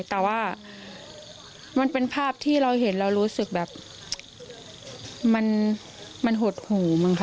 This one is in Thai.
แต่ว่ามันเป็นภาพที่เราเห็นเรารู้สึกแบบมันหดหูมั้งค่ะ